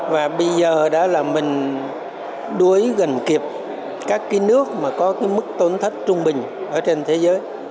và bây giờ đó là mình đuối gần kịp các cái nước mà có cái mức tổn thất trung bình ở trên thế giới